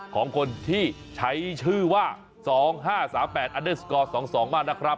ของคนที่ใช้ชื่อว่า๒๕๓๘๒๒มากนะครับ